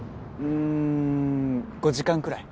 うん５時間くらい？